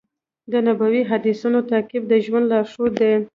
د نبوي حدیثونو تعقیب د ژوند لارښود دی.